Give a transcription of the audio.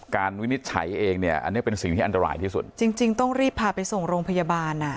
วินิจฉัยเองเนี่ยอันนี้เป็นสิ่งที่อันตรายที่สุดจริงจริงต้องรีบพาไปส่งโรงพยาบาลอ่ะ